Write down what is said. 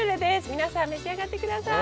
皆さん、召し上がってください。